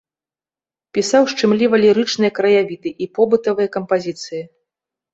Пісаў шчымліва-лірычныя краявіды і побытавыя кампазіцыі.